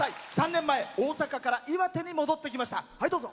３年前、大阪から岩手に戻ってきました。